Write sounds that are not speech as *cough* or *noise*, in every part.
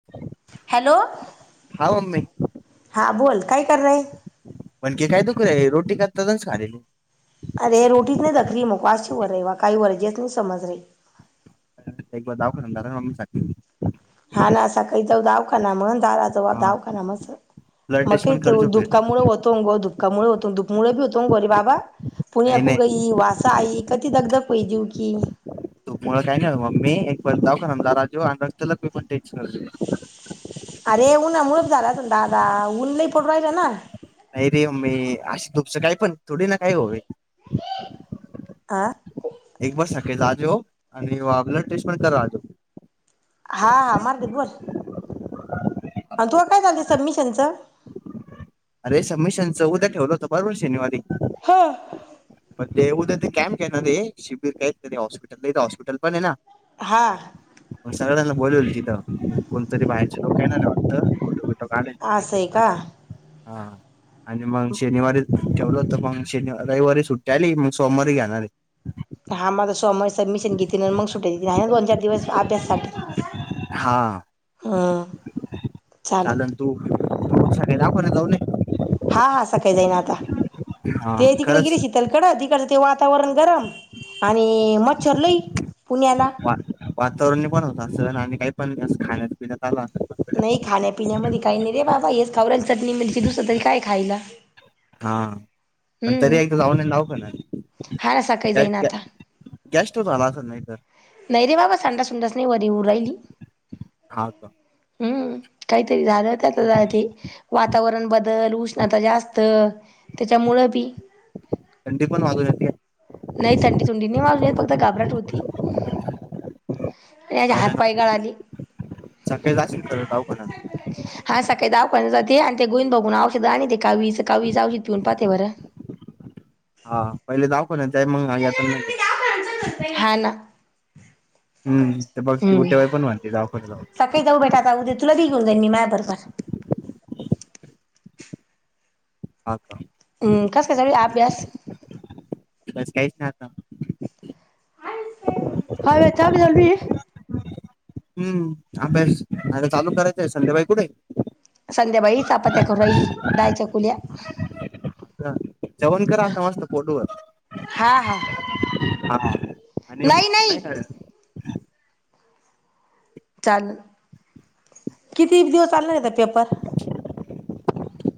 *unintelligible* Hello. हा mummy. हा बोल काय कर रये. म्हण की काय दुख रहे रोटी करताच तसच खारही. अरे रोटी नाही दखरी *unintelligible* वा शिवरर रहिवा काही वरजेसच नाही समज रे. एक बार दवाखान्यात *unintelligible* हां ना असं सकाळी जाऊ दावखाना म्हण. दाराजवळ हा दवाखाना आमच ब्लड मग टेस्ट काय पण करजो फिर धूपकामुळ होतोंगु धूप मुळे होत दुपमुळे बी होतो गोरी बाबा नाही पुणेको नाही गई वासा आई. कधी दगदा होई जेऊ की. *unintelligible* अरे उन्हामुळच झाला असन दादा ऊन लई पडू राहील ना. नाही रे मम्मी अशी धूपचं काय पण थोडी ना काय होवी. आं एक बार सकेज आजो आणि वो आपला टेस्ट पण कर आजो. हां हां मराठीत बोल. आणि तु काय झालंय सबमिशनचं? अरे सबमिशन चं उद्या ठेवलं होंत बरोबर शनिवारी. हां. मग ते उद्या ते कॅम्प येणार आहे शिबिर काय तरी हॉस्पिटल हस्पिटल पण आहे ना. हां. मग सगळ्यांना बोलावलंय तिथं कोणतरी बाहेरचे लोकं येणार आहे वाटतं. असं आहे का *unintelligible* हां आणि मग शनिवारी ठेवलं होत मग शनि रविवारी सुट त्याली मग सोमवारी घेणार आहे. हां मग सोमवारी सबमिशन घेतीन आणि सुट्टी देतीन आहे ना दोन चार दिवस अभ्यासासाठी. हा हां चालल. चालन तू संध्या दवाखान्यात जाऊन ये. हां हां सकाळी जाईन आता हा ते तिकडे खरंच गेली शितल कडं तिकडच ते वातावरण गरम आणि मच्छर लई पुण्याला. वातावरणने पण होतं असं आणि काही पण असं खाण्यात पिण्यात आला नाही खाण्यापिण्यामध्ये काही नाही रे बाबा हेच खाऊ राहिली चटणी मिरची दुसर तरी काय खायला. हां पण तरी एकदा जाऊन ये ना दवाखान्यात. हां सकाळी जाईन आता. गॅस्ट्रो झाला असेल नाहीतर. नाही रे बाबा सांडास बिंडास नाही वारी येऊ राहिली. हा का हम्म काहीतरी झालंय त्याच्याआधी. वातावरण बदल, उष्णता जास्त त्याच्यामुळं बी थंडी पण वाजून येते. नाही थंडी थुंडी नाही वाजून फक्त घाबराट होती. आणि हातपाय गळाली. मग काय जाशील खरं दवाखाण्याला. हां सकाळी दवाखान्याला जाते आणि ते गोळी बघून औषध आणिते कावीळी काविळीच औषध पिऊन पाहते बरं. हां पहिले दवाखान्यात जाय मंग नाही आता *unintelligible* हां ना. हम्म ते बघ ती हम्म *unintelligible* बाई पण म्हनते दवाखान्याला सकाळी जाऊ बेटा *unintelligible* आता उद्या तुला बी घेऊन जाईन मी मायाबरोबर. *inaudible* हां का. ते कसंल तरी अभ्यास बस काहीच नाई आता. *unintelligible* हूं. अभ्यास आता चालू करायचंय, संध्याबाई कुटंय? संध्याबाई चपात्या करु राहिली, दाळ चकुल्या. जेवण कर आता, मस्त पोटभर. हा हा. हा आणि येऊ? नाही नाही चालंल. कितीक दिवस चालणार आहेत पेपर?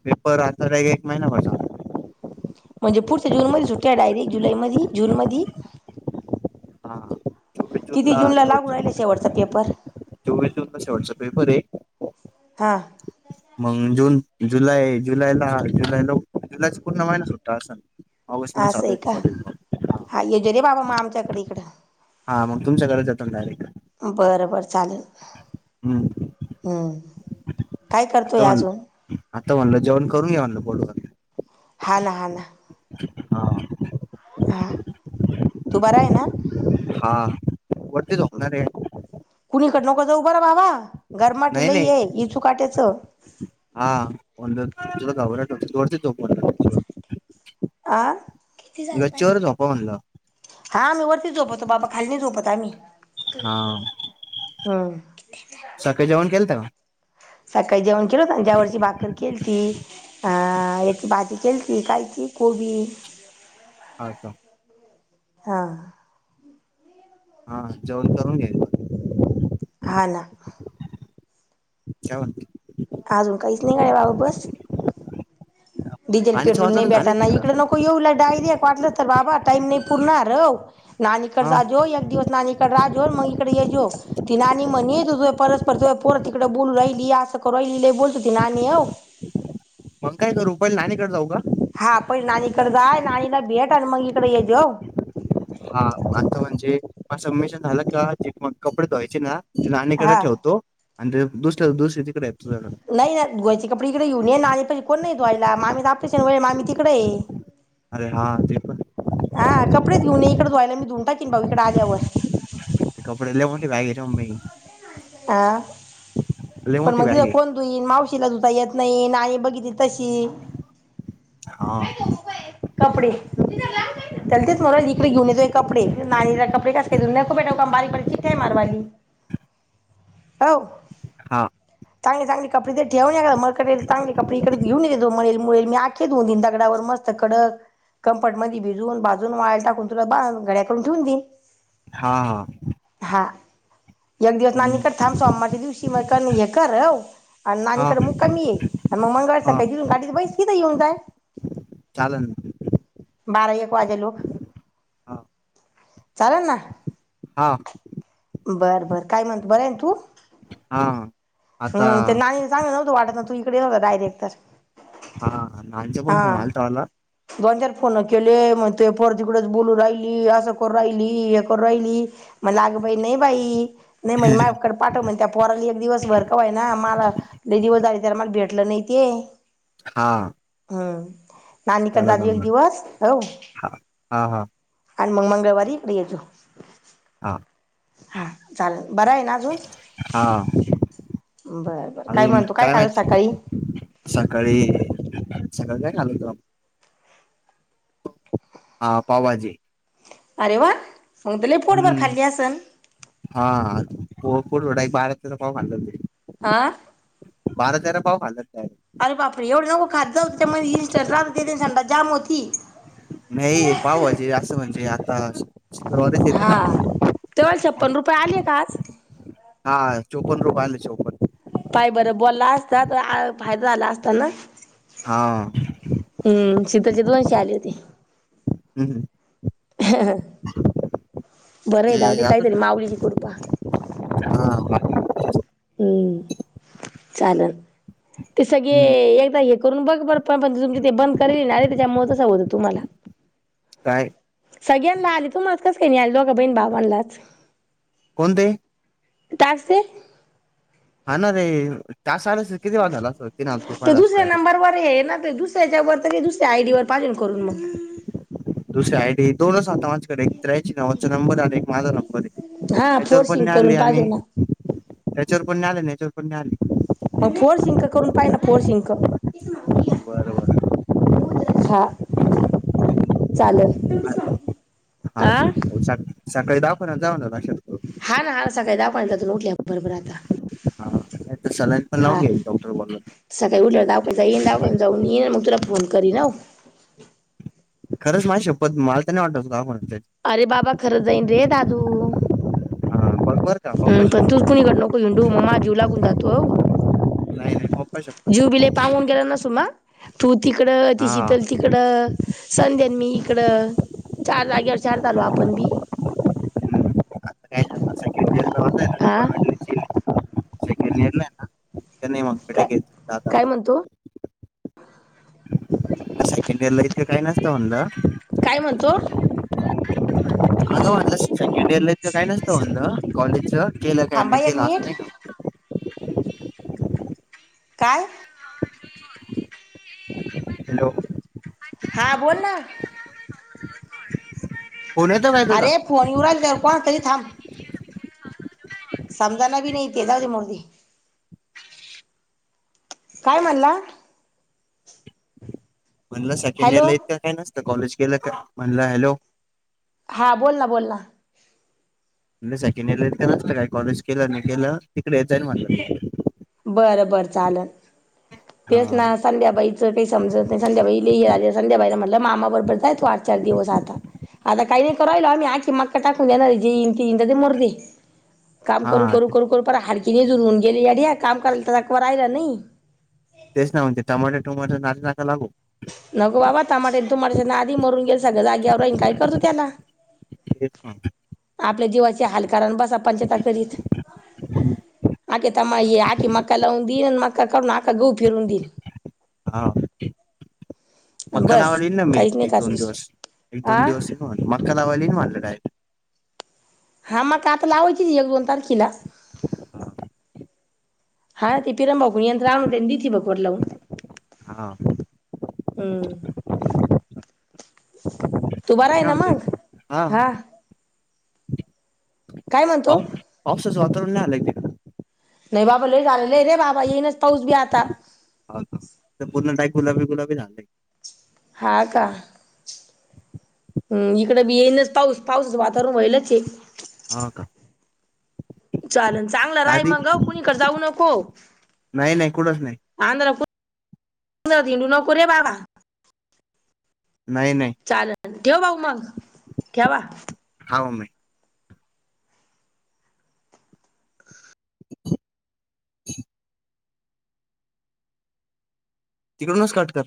पेपर आता एक महिनाभर चा म्हणजे पुढच्या जूनमध्ये सुट्ट्यायं डायरेक्ट, जुलैमदी? जून मदी? हा किती जूनला लागू राहिला शेवटचा पेपर. चोवीस जूनला शेवटचा पेपरंय. हां. मग जून जुलै, जुलैला. जुलैचा पूर्ण महिना सुट्टया आसंन. आसंय का. हा येजोरे बाबा मग, आमच्याकडे इकडं. हा, मग तुमच्याकडंच येतो ना डायरेक्ट. बरं बरं, चालेल. हूं. हूं. आता म्हण, आता म्हणलं, जेवण करून घ्या म्हणलं पोटभर. हा ना, हा ना. हा. हा तू बराय ना? हा. वरती झोपणारंय. कुणीकड नको जाऊ बरं बाबा. गरमाटी नाही लई नाही येे इचू काट्याचं. हा. म्हणलं तुला घाबरायचं तर वरतीच झोप म्हणलं गच्चीवं. आ गच्चीवर झोपा म्हणलं. हा, आम्ही वरतीच झोपतो बाबा, खाली नाई झोपत आम्ही. हा, हं. सकाळी जेवण केलंत का? सकाळी जेवण केलं. जवारीची भाकर किलती. आ, एक भाजी केलती कालची कोबी. हा का. हा. हा, जेवण करून घ्यायचं. हा ना. काय म्हणती. अजून काहीच नाही बाबा बस. डिझेल पाणीचं पेट्रोल नाई वाचवण झालंय भेटाना इकडं तिकडं नको येऊ. डायरेक्ट भेटावं वाटलं तर बाबा, टाईम नाई पूरणार, औ? नानीकडं हा जा जो एक दिवस नानी जा जो मग इकडं येजो. ती नानी म्हणीन, परस्पर तुजं पोरं तिकडं बोलू रायली, आसं पहिली लै बोलत हुती नानी औ. मग काय करु? पैले नानीकडं जाऊ का? हा, पैलं नानीकडं जाय, नानीला भेट आणि मग इकडं ये जो. हा. आता म्हणजे सबमिशन झालं का, ते मग कपडे ध्वायचे ना नानीकडं हा ठेवतो आणि दुसऱ्या *unintelligible* तिकडं येतो तुज्याकडं. नाही, धुवायची कपडे इकडं घेऊन ये. नानीपशी कोण नाही धुवायला. मामीचं आफिस सुरुय, मामी तिकडंय. अरे हा ते पण, हा कपडेच घेऊन इकड धुवायला मी धुवून टाकीन भाऊ इकडे आल्यावर. कपडे लव बाई घरीमई अ लय पण मोठी बॅग मदीय आहे कोण? तु मावशीला दुता येत नाही ना बघितली तशी. हा. कपडे. चलतेच मज इडे घेऊनेतो कडे नाणीला कपडे कास काऊ न खूपेटा काम बारीकारी चिठा आहे मारवाली हो हा चांगले चांगले कपडे ते, ठेऊन म कडेल चांगले कपडे इकड घेऊन घे तो म्हळेल मुळेल मी आखे धऊनन दगडावर मस्त कडक. कम्फर्ट मध्ये भिजून बाजून वाळ टाकून तुला गड्या करून ठेवून दिन. हा हा. हा एक दिवस हम्म, नाकड थांब सोमारच्या दिवशी मग हे कर हो आणि हा नाणीकडें मक् कमी ये आणि मग मंगळार सकाळी जिऊून गाडीत बैस किथं येऊन जाय. चालल. बारा एक वाजे लोक हा चालल ना. हा. बर बर काय म्हणत बरं हाय तू? हा आता हम्. सांग नवतं वाट ना त इडे येव डायरेक्ट तर, हा अण्णांचा फोन आलता मला. दोनच्यार फोन केले मग ते पर तिकडेच बोलू राहिली असं कर राहिली हे कर राहिली. म्हणल आग बाई नाही बाई नाही म्हण माया पाठव म्हण त्या पोराला एक दिवस भरकवाय ना मला दिवस झाले तर मला भेटलं नाही ते. हा. हम्म नाणीकडे त्याला जा ग एक जमलं दिवस हो. हा हा हा आणि म मंगळवारी इकडे येतो. हां. हा चालेल बरं आहे ना? हा बरबर काय अजून म्हणतो काय खाल माहित सकाळी. सकाळी अण्णांची नजर खाल तु? हा पावभाजी. अरे वा मग तर पोटभर खाली असन. हाठ बाराचा पावां *unintelligible* आं. म आता जरा पाव खाल्ला तर काय, अरे बापरे एवढं नको खात जाऊ होते मग इस्ट राहते संडास जाम होती. नाही पावज भाजी असं म्हणजे आता सू हा तुम्हाला छप्पन रुपये आले का आज? हा चोपन रुपय आले चोपण. पाय बर बोलला असता तर फायदा झाला असता ना. हा. हम्म शीतलची दोनशे रूपये आले होते. हम्म हम्. ह. *unintelligible* बरं आहे ते जावूदे, आता काहीतरी माऊलीची कृपा, हा *inaudible* हं, चालेन ते सगळे हम्म एकदा येत- ''करून बघ बर पण, पण तुम ते बंद करे त्याच्यामुळे तसं आवाज येतो तुम्हाला, '' काय? सगळ्यांना आले, तू मालाच कस काही नाही आले दोघं बहीण भावांलाच, कोणते? टास्कचे- हा ना रे, टास्क आले असते तर, किती बारी झाल असत ती ना, ते दुसऱ्या नंबरवर आहे ना, ते दुसऱ्याच्या वर दुसऱ्या आयडी वर पाहीजे करून मग. दुसऱ्या आयडी दोनच आता माझ्या- ''एक त्रेयंशी नावाचा नंबर आणि एक माझा नंबर आहे, हा त्याच्यावर फोर पण सिंक नाही करून आले पाहिजे आणि-'' ना ''त्याच्यावर पण नाही आले, याच्यावर पण नाही आले. '' मग, फोरशिंक करून पाहिना फोरशिंक, आली बरं बरं हा. चालेल हा, आ सकाळी दवाखान्यात जाऊ ना लक्षात- करून ''हा ना, हा सकाळी दवाखान्यातील उठल्या बरोबर आता. '' हा ''नाही तर सलाईन पण लावून घ्या, डॉक्टर बोलला. '' ''सकाळी उठल्यावर दवाखान्यात जाईये, दवाखान्यात जाऊन ये मग तुला फोन करीन आव, '' ''खरंच, माझी शपथ मला तर नाही वाटत दवाखान्यात जाईल. '' अरे बाबा, खरंच जाईन रे दादू, हा, बघ बरं का, पप्पा हं, पण तुच शपथ कुणीकड नको हिंडू, मग माझा जीव लागून जातो हो. *unintelligible* रूबिले पाहून गेला नस ना, तू तिकडं ती हा शितल तिकडं, संध्या आणि मी इकडं, चार जागेवर चार झालो आपण बी, आता काय *unintelligible* होतंय. आ सेकड इयरला का, नाही मंग काय बटाक काय म्हणतो *unintelligible* सेकंड इयर लायी- काही नसत म्हणलं, काय म्हणतो? ''आता वाटलं सेकंड इयर इतकं काय नसतं म्हणलं, कॉलेजच केलं काय थांबा नाही एक केलं, मिनिट असं नाही का, '' काय? हॅलो हा बोल ना, फोन येतो काय तुझा? अरे फोन येऊ राहीले कोण तरी थांब, समजान बी नाही ते, जाऊ दे मरू दे. काय म्हणला? म्हणलं सेकंड हॅलो इयरला इतकां काय नसतं, कॉलेज केलं का, म्हणलं हॅलो, हां, बोल ना बोल ना, ''म्हणजे सेकंड इयरले इतकं काय नसत काय, कॉलेज केलं नाही केलं, तिकडे येत जाईल म्हणलं. '' बरं बरं चालन, तेच हा ना- ''संध्याबाईच काही समजत नाही, संध्याबाई लि आले, संध्याबाईला म्हटलं मामा बरोबर जाय तो आठ चार दिवस आता. '' आता काही नाही कराहिलो, आम्ही आखी मक्का टाकून देणार जे ईन ते ईन मरूदे. काम करू हा करू करू करू पर हाडकीनेजनऊन *unintelligible* गेली येडया, काम कराय तर तवर *unintelligible* राहिला नाही. तेच ना म्हनते टमाटर टुमाटर नादी नाका लागू. नगो बाबा, तमाटे तुमट्याच्या नादी मरून गेल सगळं जागेवर राहीन, काय करतो त्याला. तेच ना आपल्या जीवाचे हाल कारण बसा पणचता करीत. आखे तमाय आखी मका लावून दीन, अन मका काढून आखा गहू पेरून दीन. हा, आणि मका बस लावायला ईन ना मी, काहीच नाही एक काच दोन दिवस दुसरं एक दोन आ दिवस ये मक्का लायायला ईन म्हटलं डायरेक्ट. हा मक्का आता लावायचीन एक दोन तारकिला. *unintelligible* हां. हम्म तू बर बाकी आहे काय ना म्हणते मग, हा. काय म्हणतो ऑफ, ऑफसच वातावरण नाही आलं का तिकडं नाही बाबा लय झालेलं आहे रे बाबा, येईनच पाऊस बी आता. हो, ते पूर्ण डायक गुलाबी गुलाबी झालंय. हो ना. हा का. हम्म इकड बी येईनच पाऊस, पाऊसाच वातावरण व्हायलचे हां का. चालन, चांगलं राय आधी मंग कुणीकडं जाऊ नको. नाही नाही कुठंच नाही आंध्रंकु हिंडू नकोे रे बाबा. नही नही. चालन ठेव भाऊ मग,, ठेवा. हा मम्मी. *inaudible* तिकडूनच कट कर.